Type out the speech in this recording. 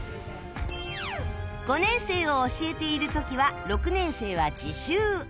５年生を教えている時は６年生は自習